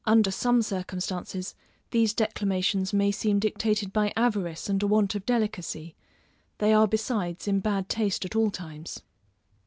Under some circumstances, these declamations may seem dictated by avarice and a want of delicacy; they are besides in bad taste at all times.